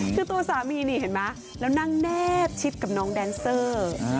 คือตัวสามีเวที่นี่ค่ะเห็นมั้ยแล้วนั่งแนบชิดกับน้องตีนเจอร์